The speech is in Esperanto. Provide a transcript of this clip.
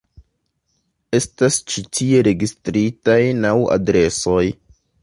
Estas ĉi tie registritaj naŭ adresoj.